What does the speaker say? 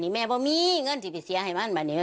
ได้จ่ายไปแล้วกับ๘๙แสนแล้วเนอะ